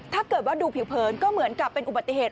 ถ้าเกิดว่าดูผิวเผินก็เหมือนกับเป็นอุบัติเหตุ